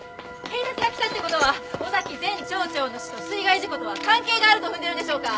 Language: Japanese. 警察が来たって事は尾崎前町長の死と水害事故とは関係があると踏んでるんでしょうか？